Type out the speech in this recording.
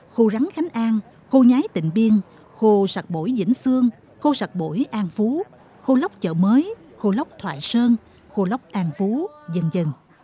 khô rắn khánh an khô nhái tịnh biên khô sạc bổi vĩnh sương khô sạc bổi an phú khô lóc chợ mới khô lóc thoại sơn khô lóc an phú dần dần